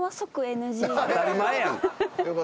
当たり前やんか。